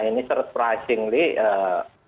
ini sedikit mengejutkan